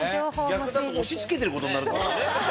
逆だと押しつけてることになるからね